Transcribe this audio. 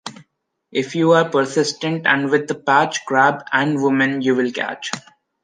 If you are persistent and with a patch, crab and woman you will catch.